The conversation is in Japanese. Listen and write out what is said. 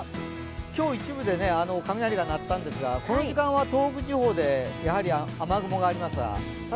今日一部で雷が鳴ったんですが、この時間は東北地方でやはり雨雲がありました。